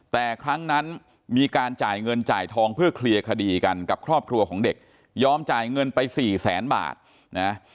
แต่ครั้งนั้นมีการจ่ายเงินจ่ายทองเพื่อเคลียร์คดีกันกับครอบครัวของเด็กยอมจ่ายเงินไปสี่แสนบาทนะ